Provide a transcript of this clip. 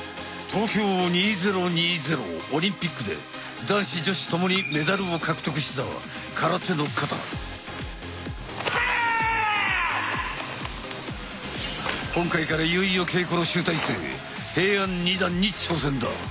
東京２０２０オリンピックで男子女子ともにメダルを獲得した今回からいよいよ稽古の集大成平安二段に挑戦だ！